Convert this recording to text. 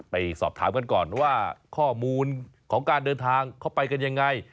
ไปสอบถามกันก่อนว่าข้อมูลของการเดินทางเข้าไปกันยังไง